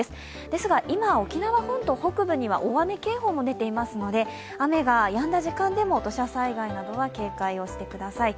ですが、今、沖縄本島北部には大雨警報も出ていますので雨がやんだ時間でも土砂災害などは警戒をしてください。